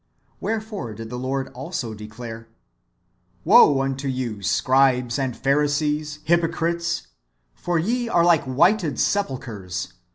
^ Wherefore did the Lord also declare :" Woe unto you, scribes and Pharisees, hypocrites, for ye are like whited sepulchres.